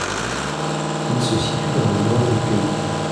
Il se situe dans le nord du pays.